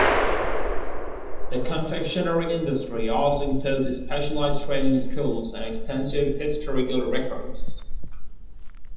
The confectionery industry also includes specialized training schools and extensive historical records.